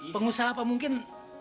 pengusaha apa mungkin